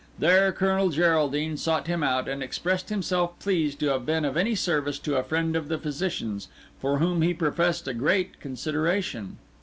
There Colonel Geraldine sought him out, and expressed himself pleased to have been of any service to a friend of the physician's, for whom he professed a great consideration.